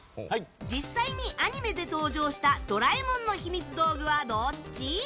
実際にアニメで登場した「ドラえもん」のひみつ道具はどっち？